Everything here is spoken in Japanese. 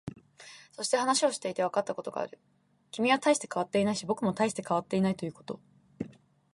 そして、話をしていてわかったことがある。君は大して変わっていないし、僕も大して変わっていないということ。